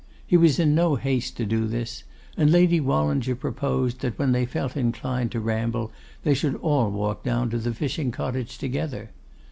He was in no haste to do this; and Lady Wallinger proposed that when they felt inclined to ramble they should all walk down to the fishing cottage together.